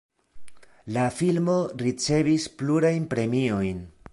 La filmo ricevis plurajn premiojn.